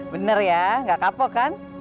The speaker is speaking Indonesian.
bener ya nggak kapok kan